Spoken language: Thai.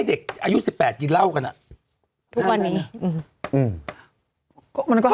เด็กอายุสิบแปดกินเล่ากันอ่ะ